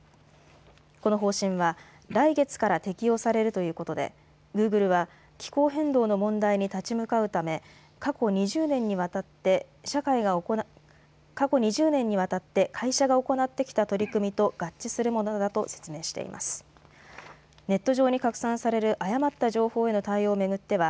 この方針は来月から適用されるということでグーグルは気候変動の問題に立ち向かうため過去２０年にわたって会社が行ってきた取り組みと合致するものだと説明しています。